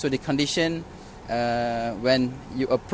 ความบรรจาภาพของใคร